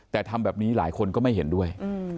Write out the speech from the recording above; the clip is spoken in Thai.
แต่ทำแบบนี้หลายคนก็ไม่เห็นด้วย